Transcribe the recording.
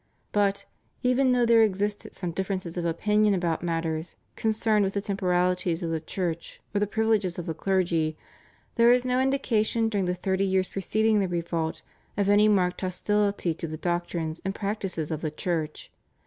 But, even though there existed some differences of opinion about matters concerned with the temporalities of the Church or the privileges of the clergy, there is no indication during the thirty years preceding the revolt of any marked hostility to the doctrines and practices of the Church.